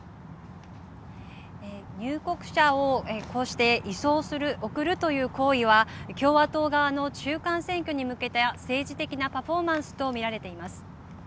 入国者をこうして移送する送るという行為は共和党側の中間選挙に向けた政治的なパフォーマンスと見られています。